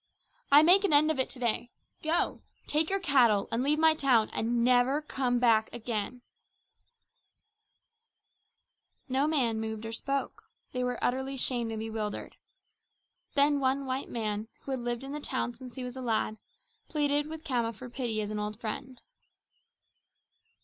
"I make an end of it to day. Go! Take your cattle and leave my town and never come back again!" No man moved or spoke. They were utterly shamed and bewildered. Then one white man, who had lived in the town since he was a lad, pleaded with Khama for pity as an old friend.